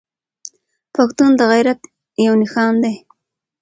پښتون د غيرت يو نښان دی.